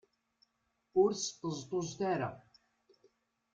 Ur sṭeẓṭuẓet ara.